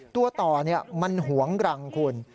ตัวต่อมันหวงรังคุณ